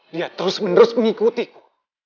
dia terus menerus mengikutiku